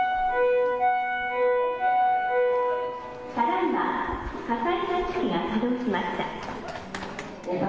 ただいま火災報知器が作動しました。